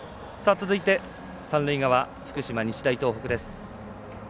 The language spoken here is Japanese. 続いて、三塁側福島、日大東北です。